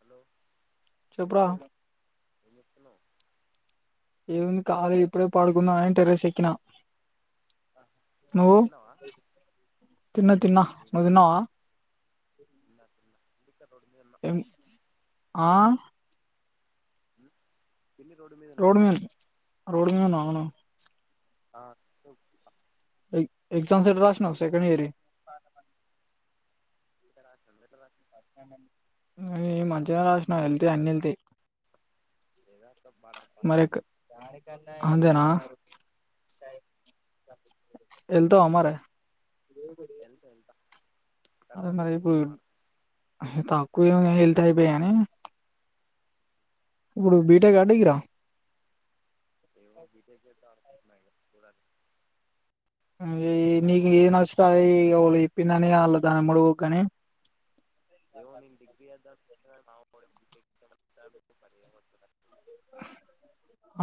Hello చెప్పురా ఎంచేస్తున్నావ్ ఏముంది కాళీ ఇప్పుడే పడుకున్న అయని టర్రసెక్కిన నువ్వు తిన్నావా తిన్న తిన్నా నేను నువ్ తీన్నావా తిన్నా తిన్నా ఇంటిక్కడ రోడ్డు మీద ఉన్నా మ్మ్ ఆ మ్మ్ రోడ్ మీ రోడ్ మీద అవునా [unintelligible] ఆ చెప్పు ఎగ్జామ్స్ ఎట్ల రాస్తున్నావ్ సెకండ్ ఇయర్ మంచిగా రాసిన నువ్వెట్ల రాసినావ్ మ్మ్ మంచిగానే రాసినవు వెళ్తే అన్నీ వెళ్తా ఏద స కా బా మరి ఎక్కడ అంతేనా వెళ్తావా మరె వెళ్తా వెళ్తా కానీ అరె మరి తక్కువ ఇప్పుడు వస్తాయి మార్క్స్ తక్కువ వెళ్తా అయి నెయ్యేనా ఇప్పుడు బీటెక్ డిగ్రీ య ఏమో బీటెక్ చేద్దామనుకుంటా ఉన్నా ఇగ చూడాలి మరి నీకు ఏది నచ్చితే అదే చెయ్ ఒక్కలు చెప్పి లు అని దానిమ్మటి పోకనే ఏమో నేను డిగ్రీ చేద్దమ్ మా మావోలు చెప్పిండు చేద్దామనుకుంటున్నా ఏమంటాడో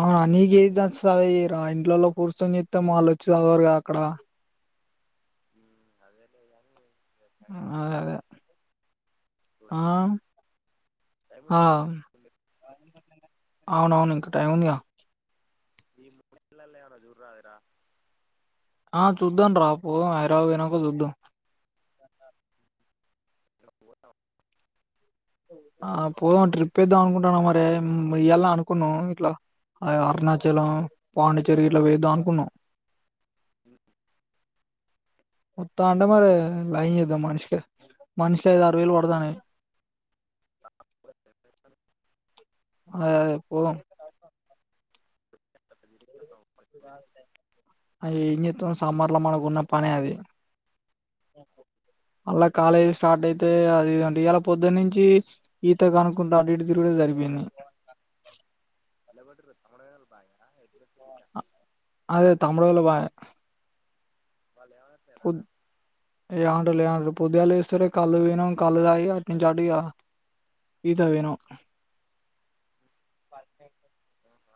అవునా నీక ఏది తెస్తుంది రా ఇంట్లోలో కూర్చొని చెస్త వాళ్ళు వచ్చి చదవారు కదా అక్కడ మ్మ్ అదేలే అని మ్మ్ అదే అదే ఆ చూడాలి టైం ఉంది కదా, అవును ఏముంది. అవునవును ఇంకా టైం ఉందిగా ఈ మూడల ఎవనో జురు రాదరా ఆ చూద్దాం రాపో హైదరాబాదే పోయినాక చూద్దాం [unintelligible] ఆ తిప్పి తిప్పి పోదాం వద్దాం. ట్రిప్ వేద్దాం అనుకుంటున్న మరి మయలా అనుకున్నా ఇట్లా అరుణాచలం పాండిచేరి ఇట్లా వేద్దాం అనుకున్నాం ఇంకా త్తా అంటే మ రే యిదా మానిషక మనుషికయది అరవలు వాడదానే పోదాం. అద అద పో [unintelligible] రోజు. అ ఏం చేత్తాం సామ్బార్లా మనకున్న పనే అది మల్ల కాలేజీ స్టార్ట్ అయితే అదింటే ఇయాలా పొద్దున్నుంచి ఈతో కనుకుంటా అటిటు తిరుగు సరిపోయింది ఇలబడురు తముేనా భయ ఎ అదే తమ్ముడోళ్ళు పాయె వాళ్ళు ఏమంటున్నారా పొద్ [unintelligible] పొదుగాలు వేస్తారే కల్లు పోయినం కళ్ళు తాగి అటునుంచటుగా ఈత కు పోయునం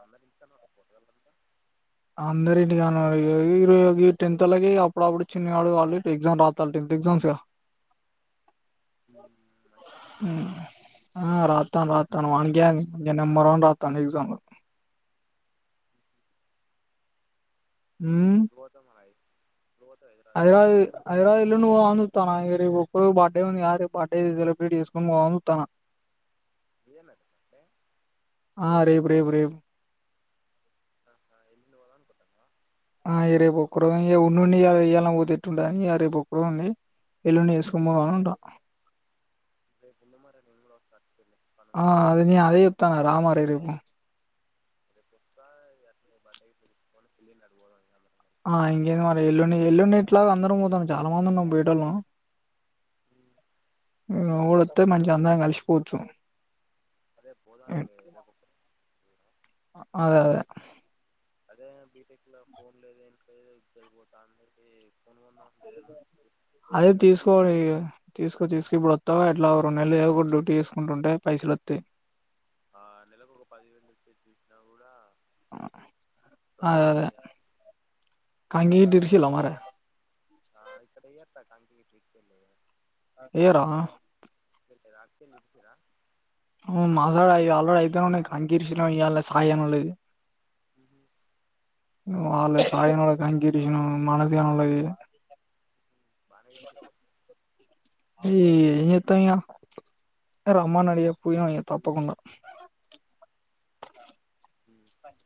అన్న నితాన్నాట పోట వెళ్ంత అందరి ఇంటికాన్నారురు టెన్త్ ఓల్లాకి అప్పుడప్పుడు చిన్నవాడు వాళ్ళు ఎగ్జామ్ రాతారు టెన్త్ ఎగ్జామ్స్గా మంచి రాష్ట్రం కదా ఆ రాత్తా రాత్ తను మన గ్యాంగ్ ఇంగ నెంబర్ వన్ రాత్తాంది ఎగ్జామ్ ల ఎట్లుత మరియి హైదరాబాద్ హైదరాబాద్ ఎల్లుండి పోదామని రేపు ఒక్కరోజు బర్డే ఉంది గా [unintelligible] సెలబ్రేట్ చేసుకొని పోద్దాం అని చూత్తాన్నా ఇదేనండి అంటే ఆ రేపు రేపు ఆ ఎను వలానుకుంటున్నావా ఆ ఎ రేపొక్కరోజే ఉండిండి ఇయ్యాలన పోతే ఎట్లుంటదని అ రేపొక్కరోజుండి ఎల్లుండి ఏస్కోని పోదాం అని ఉండా రేపు ఇదే చిన్న మస్త ఆ అది నీ అదే చెప్తాను చానా రా మరి రేపు రద పస్తా ఎన రపా డై పో సలిండర్ పోద అ ఆ ఇంకేంది మరి ఎల్లుండి ఎల్లుండిట్లాగా అందరం పోతాం చాలా మంది ఉన్నాం పొయ్యేటోల్లం అ మీవోడొత్తే మంచిగా అందరం కలిసిపోవచ్చు అదే పోదాం ఇక రేపు ఒకటి ఏద అదే అదే అదే బీటెక్ లో ఫోన్ లేదు ఏం లేదు ఇజ్జత్ పోతాంది అదే తీసుకోండిగా తీసుకో తీసుకు ఇప్పుడొత్తావా ఇట్లా ఒక రెండు నెల్లు ఏదో డ్యూటీ చేసుకుంటుంటే పైసలొత్తాయి ఆ నెలకు ఒక పదివేలిప్పీ ఐనా కూడ అదే అదే కంగిటి [unintelligible] లో మారే ఆ ఇక్కడ ఏతా కకి ఏరా వెళ్లితురా మాకాడ ఇగ అల్లుడి అయితాన్నాయ్ కంకీర్షిన ఇయాళ సాయన్నాళ్ళది అ మావాళ్ల సాయనల కంగిదిష్నా మన సాయన్నాళ్ళది బాగానే ఇతు ఏయి ఏంచేత్తం ఇగ రమ్మన్నాడు ఇగ పోయి ఇగ తప్పకుండా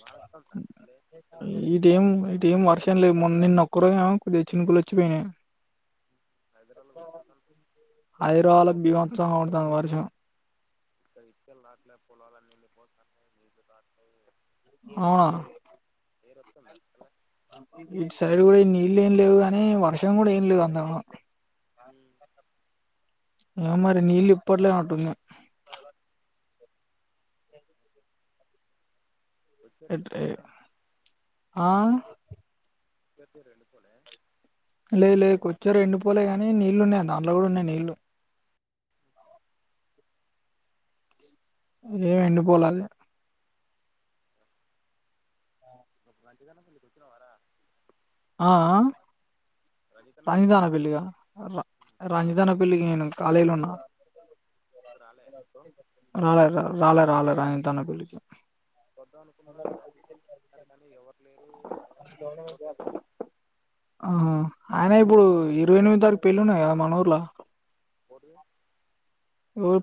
బాగా వస్తుందా లే ఇలా ఈటెఏం ఈటెఏం వర్షం లేవ్ మొ నిన్న ఒక్కరోజుమో కొద్దిగా చిినకులోచ్చినయే హైదరాబాద్ కొడుతుంటాను అయిదురాబాద్ ల బిబా త్సంగా పడుతంది వర్షం [unintelligible] అవునా [unintelligible] ఇటు సైడ్ కూడా నీళ్ళ ఏం లేవు కానీ వర్షం కూడా ఏం లేదు అంతగనం ఆ మరి నీళ్లు ఇక ఇప్పట్లేనటున్నయ్ వచ్చే ఎట్ రెండు లేద్ పోలేరా ఆ [unintelligible] లేదు లేదు కూర్చో ఎెండు పోలే కానీ నీళ్లు ఉన్నాయి దాంట్లో కూడా ఉన్నాయి నీళ్లు ఏ ఏండి పోలేద రంజితన్న పెళ్ళికి వచ్చినవారా ఆ ఆ రజకన్న రంజిత్ పెళ్ళికి అన్న ఇంటికి వచ్చినాం పెళ్లిగా రా రంజిత్ అన్నపెల్లికి పెళ్లికి నేను రాలేను అన్నా ఇక్కడ రాలే సో ఆ రాల రాల రాల రంజిత్ అన్న పెళ్ళికి వొద్దమనుకున్న మ కానీ ఎవరు లేరు పొరగా పోటీ ఆహా ఆయన ఇప్పుడు ఇరవై ఎనిమిది తారీఖు పెళ్లిి ఉన్నది కదా మన ఊర్లో ఎవరిదీ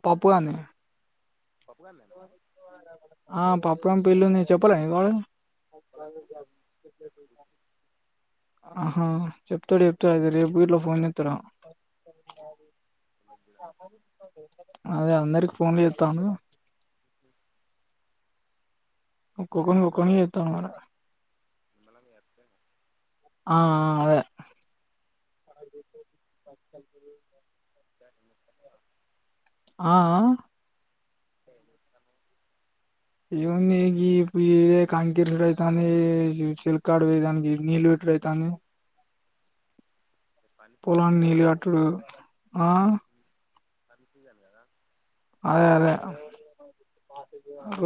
పప్పు గానిది పప్పుగా నేను ఆ పప్ పు గాని పెళ్లి ఉంది చెప్పాలే వాడు పోలేదు పోతే రేపటి [unintelligible] ఆహా చెప్తాడు చెప్తాడు అయితే రేపు గిట్ల ఫోన్ చెత్తడేమో [unintelligible] అదే అందరికి ఫోన్లు చేత్తాండు ఒక్కొక్కనికి ఒక్కొక్కనికి చెత్తండు మరి నిమ్మలం చేస్తాను ఆ అ అదే [inaudible] ఆ ఆ [inaudible] ఇవన్నీ ఈ ఈ కాక్కి ఇరువుడు అయితాంది. చాలక్కడ పోయేదానికి ఇటు నీళ్లు పెట్టుడు అయితాంది. పని సీజన్ పొలానికి కదా నీళ్లు ఇప్పుడు కట్టుడు ఆ అన్నీ చేయాలి కదా అదే అదే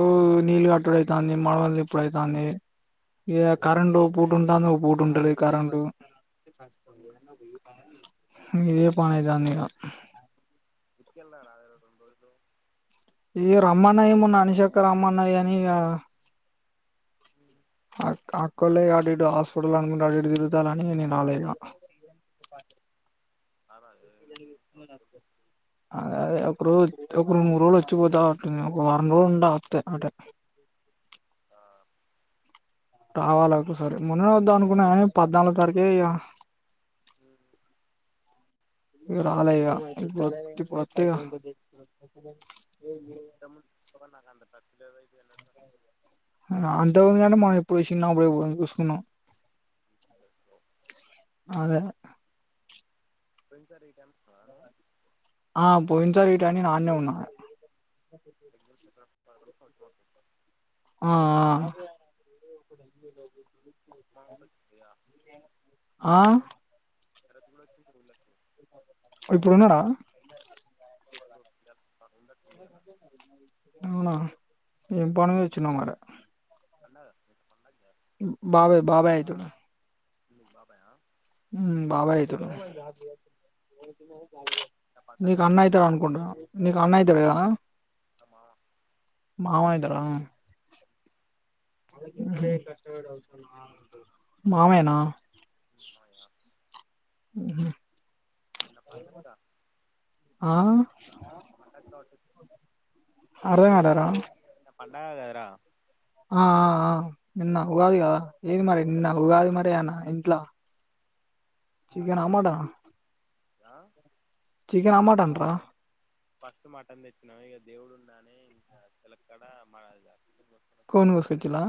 ఓ నీళ్లు కట్టుడు అయితాంది. మడవలు దిప్పుడైతాంది ఇగా కరెంట్ ఒక పూట ఉంటాది, ఒక పూట ఉంటా లేదు కరెంటు. ఇదే పని అయితాంది. ఇగా ఇంటికి వెళ్ళారాదే రెండు గ్రోళ్లు ఇగా రమన్నాది మొన్న అనూషక్క రమాన్నాది ఇగా అక్క అక్కోల్దే కాబట్ ఇటు హాస్పిటల్ అనుకుంటా అటు ఇటు తిరుగుతాలని నేను రాలే ఇగా అద అం అదే అదే ఒక రోజు ఒక రెండు మూడు రోజులు వచ్చిపోతా అంటు ఉంది. ఒక వారం రోజులు ఉండ వత్తే అటే ఆ, రావాలి ఇంతకుముందు ఒకసారి ఏయా హ హ ఇగా రాలే ఇగా ఇప్ ఇప్పుడు వత్తె ఇగా ఇంత ముంద్ [unintelligible] [unintelligible] అంటావ్ కదా అంటే మనం ఎప్పుడు చిన్నప్పుడు ఎప్పుడో చూసుకున్నాం. అదే పోయినసారి ఈ టైంలో ఉన్నావా నువ్వు ఆ పోయినాసారి ఈ టైమ్ నేను అన్నే ఉన్నా. [inaudible] ఆ ఆ మా అమ్మ కు వచ్చింది గా [inaudible] ఆ ఇప్పుడు ఉన్నాడా [inaudible] అలా అవునా ఏమ్ పని మీదా వచ్చిన్నావ్ మరే అన్నద్ పండాక్కే [inaudible] బాబాయ్ బాబాయ్ అయితాడు బాబాయ్ హ హ్మ్ బాబాయ్ అయితాడు. నీకు పండగ అన్న అందుకో అయితాడు అనుకుంటా, నీకు అన్న అయితాడు కదా అన్న, అమ్మా మామ అయితాడా మామయ్య నా ఉన్నాయా? హమ్ చిన్న పన్నచ్చా ఆ అర్ధం కలేనా [unintelligible] ఆ ఆ నిన్న ఉగాది గద ఏది మరి నిన్న ఉగాది మరి అనా ఇంట్ల చికెనా ఏం ఆ మట్టన్ ఆ ఆ చికెన్ ఆ మట్టన్ రా ఫస్ట్ మటన్ తెచ్చినాం ఇక దేవుడు ఉన్నానే ఇంకా తెలక్కడ మ జ కోడిని కోసుకోచిరా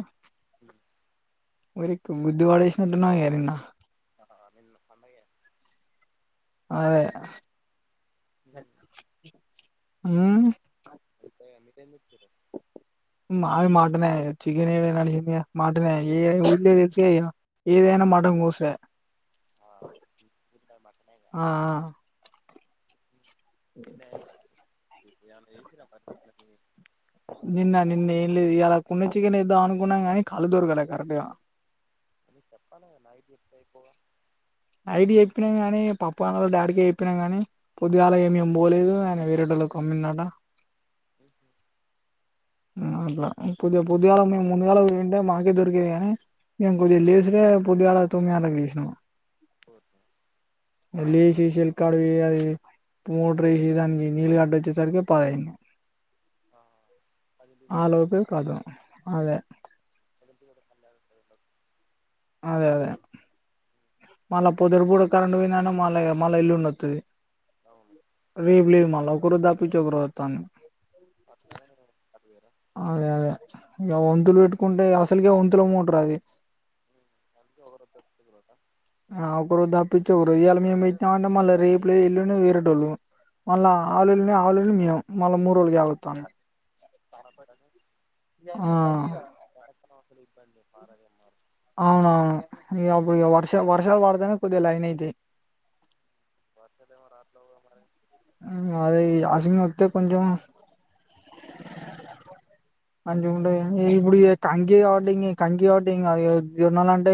ఓ గుడ్డిబడేసినట్టునవ్ నిన్న ఆ నిన్న పండగే ఆ [inaudible] ఆ అంత గా [unintelligible] మాది మట్టన్ ఏ చికనే నచంది మటనే ఏది ఏదైనా మాటం కోోసరే ఆ మటనేగా ఆ ఆ [unintelligible] ఏమన్న ఏసి రా నిన్న నిన్న ఏం లేదు ఇలా కొన్నిచ్చికెన్ ఎద్దా అనుకున్నాం నీ కాలుదుూరు కల కరంట న చెప్పాల నాయి దప్ా అయిపోవా నైట్ చెప్పినాం కాగానీ పప అన్నలో డాడ్క చెయిప్పినాం కాని పొద్దుగాల ఏమేమి పోలేదు ఆయన వేరేటళ అమ్మిందట [inaudible] అట్లా పదిగా పొదిగాలు మేము ముందుగాలు వింటే మాకే దొరికేది కానీ నేను కొద్దిగా లెసుడే పొద్దుగాల తొమ్మిది గంటలకు లేసిన [inaudible] రేషన్ కార్డు చేయాలి మోటర్ వేసి దానికి నీళ్లుు కట్టి వచ్చేసరికి పదయింది ఆ పదింటికి పోతాను అలోపే కదమ్ అదే [inaudible] అదే అదే మళ్ళా పొదున గుడా కరెంటు పోయిందా మళ్ళ మళ్ళా ఎల్లుండొతుది అవును రేప్లేదు మల్లా ఒకరోజు తప్పించి ఒక రోజు వత్తాంది అ అది అదే అదే ఇంక వంతులు పెట్టుకుంటే అసలుకె వంతులమోటారు అది [unintelligible] ఆ ఒక రోజు తప్పిచ్చి ఒక రోజు ఇలా మేము పెట్టినం అంటే మళ్ళ రేపు లేదు ఎల్లుండి వేరేటోళ్లు మళ్ళ ఆవుల ఎల్లుండి ఆవుల నుండి మేము మళ్ళా మూడు రోజులు గ్యాప్ వత్తాంది పాపాడ్ కానీ యహ కనెక్షన్ ఇబ్బంది ఫరంగా మారు అవునవును ఇగ అప్పుడు వర్ష వర్షాలు వాడుతేనే కొద్దిగా లైన్ అయితయి వస్తుందేమో రాట్ల కేమో మరి అదే అసిం వత్తే కొంచం హ మంచి గుంటది ఇప్పుడు ఇగ కంకి కాబట్టి కంకి కాబట్టి ఇంగ జొన్నలు అంటే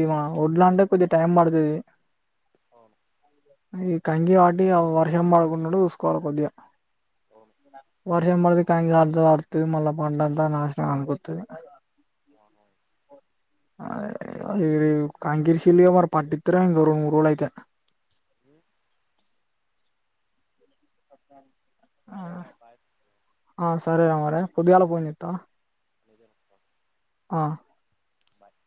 ఇగ ఒడ్లా అంటే కొంచెం టైం పడుతది అవును ఐయూ కంకి వాడు ఇగ వర్షం పడుకుండడు చూసుకోవాలి కొద్దిగా అవును వర్షం పడది పైను ధర్తో ఆడుతది మళ్ళా పంట అంత నాశనం ఐపోతాది అదే కంకి ఇరిసిల్లు ఏమో పట్టిత్తరేమో రెండు మూడు రోలు అయితే ఉ ఆ సరేరా బాయ్ ఆ సరే రా మరి పోద్దిగాలా ఫోన్ చేత్త ఇదేప్ప బాయ్